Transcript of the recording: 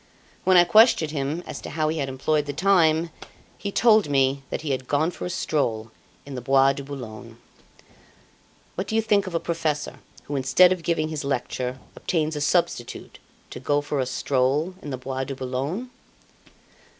When I questioned him as to how he had employeeed the time, he told me that he had gone for a stroll in the Bois de Boulogne. What do you think of a professor who, instead of giving his lecture, obtains a substitute to go for a stroll in the Bois de Boulogne?